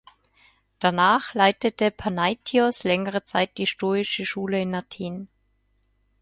Danach leitete Panaitios längere Zeit die stoische Schule in Athen.